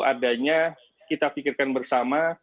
adanya kita pikirkan bersama